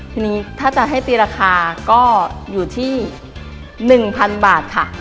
ทีนี้ถ้าจะให้ตีราคาก็อยู่ที่๑๐๐๐บาทค่ะ